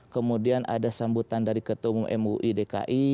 kemudian ada sambutan dari ketua umum mui dki